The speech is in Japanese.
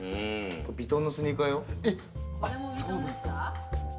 ヴィトンのスニーカーよ？